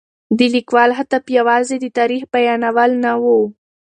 د لیکوال هدف یوازې د تاریخ بیانول نه و.